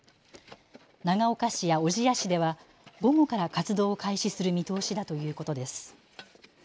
長岡市や小千谷市では午後から活動を開始する見通しだということです。